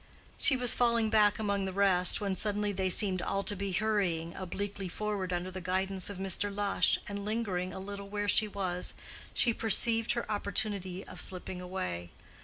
She was falling back among the rest, when suddenly they seemed all to be hurrying obliquely forward under the guidance of Mr. Lush, and lingering a little where she was, she perceived her opportunity of slipping away.